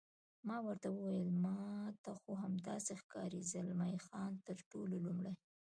ما ورته وویل: ما ته خو همداسې ښکاري، زلمی خان: تر ټولو لومړی.